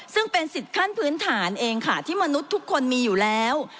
ซึ่งเป็นสิทธิ์ขั้นพื้นฐานเองค่ะที่มนุษย์ทุกคนมีอยู่แล้ว